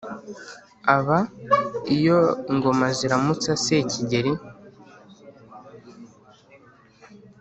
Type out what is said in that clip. Aba iyo ingoma ziramutsa se Kigeli